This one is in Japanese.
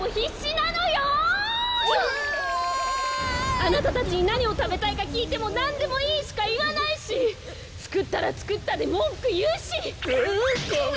あなたたちになにをたべたいかきいても「なんでもいい」しかいわないしつくったらつくったでもんくいうし！ごめんなさい！